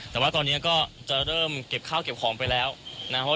แต่ว่าตอนนี้ก็จะเริ่มเก็บข้าวเก็บของไปแล้วนะครับ